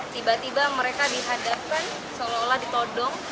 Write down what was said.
tiba tiba mereka dihadapkan seolah olah ditodong